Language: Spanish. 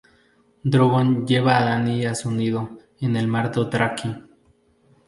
Drogon lleva a Dany a su nido en el Mar Dothraki.